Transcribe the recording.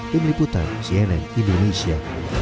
peneliputan cnn indonesia